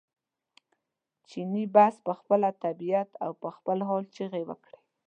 چیني بس په خپله طبعیت او په خپل حال چغې وکړې.